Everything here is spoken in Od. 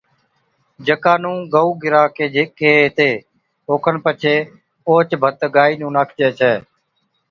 جڪا نُون گئو گِرھا ڪيھي ھِتي، اوکن پڇي اوھچ ڀت گائي نُون ناکجَي ڇَي